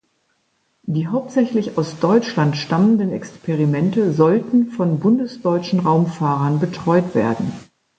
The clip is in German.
Die hauptsächlich aus Deutschland stammenden Experimente sollten von bundesdeutschen Raumfahrern betreut werden.